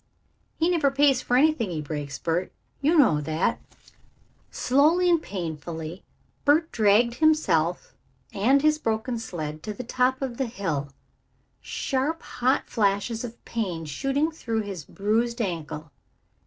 "He never pays for anything he breaks, Bert, you know that." Slowly and painfully Bert dragged himself and his broken sled to the top of the hill. Sharp, hot flashes of pain shooting through his bruised ankle.